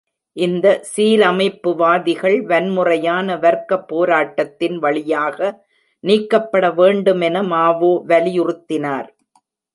இந்த "சீரமைப்புவாதிகள்" வன்முறையான வர்க்க போராட்டத்தின் வழியாக நீக்கப்பட வேண்டும் என மாவோ வலியுறுத்தினார்.